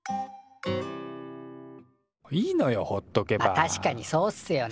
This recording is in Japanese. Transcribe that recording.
まっ確かにそうっすよね。